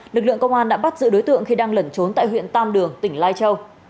lực lượng công an đã bắt giữ đối tượng khi đang lẩn trốn tại huyện tam đường tỉnh lai châu